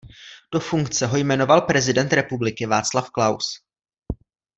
Do funkce ho jmenoval prezident republiky Václav Klaus.